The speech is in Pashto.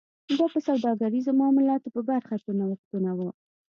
دا په سوداګریزو معاملاتو په برخه کې نوښتونه و